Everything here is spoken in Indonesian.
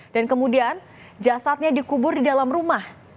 dan kemudian jasadnya dikubur di dalam rumah